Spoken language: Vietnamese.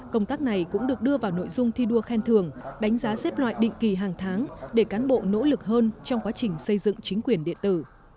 công tác này cũng được đưa vào nội dung thi đua khen thường đánh giá xếp loại định kỳ hàng tháng để cán bộ nỗ lực hơn trong quá trình xây dựng chính quyền điện tử